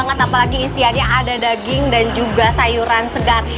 ini enak banget apalagi isiannya ada daging dan juga sayuran segar